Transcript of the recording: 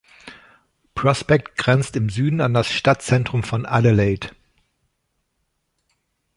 Prospect grenzt im Süden an das Stadtzentrum von Adelaide.